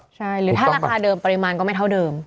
ใช่หรือถ้าราคาเดิมปริมาณก็ไม่เท่าเดิม